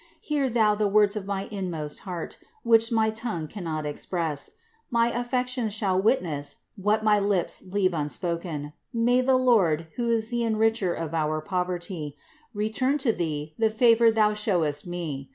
Hear Thou the words of my inmost heart, which my tongue cannot express. My affections shall witness, what my lips leave unspoken. May the Lord, who is the enricher of our poverty, return to Thee the favor Thou showest me.